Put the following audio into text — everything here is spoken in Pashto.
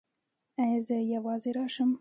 ایا زه یوازې راشم؟